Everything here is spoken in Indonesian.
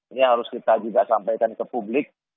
ini harus kita juga sampaikan ke publik